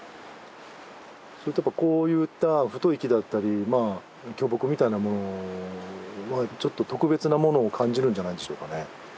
それとやっぱこういった太い木だったりまあ巨木みたいなものはちょっと特別なものを感じるんじゃないんでしょうかね。